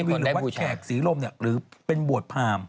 หรือวัดแขกสีรมหรือเป็นบวทภาร์ม